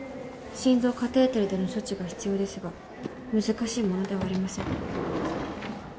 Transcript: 心臓カテーテルでの処置が必要ですが難しいものではありません。